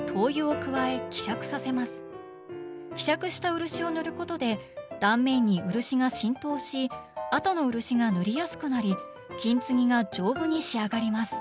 希釈した漆を塗ることで断面に漆が浸透しあとの漆が塗りやすくなり金継ぎが丈夫に仕上がります。